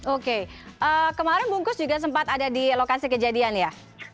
oke kemarin bungkus juga sempat ada di lokasi kejadian ya